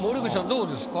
どうですか？